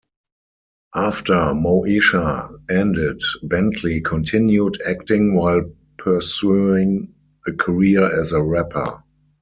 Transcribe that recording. After "Moesha" ended, Bentley continued acting while pursuing a career as a rapper.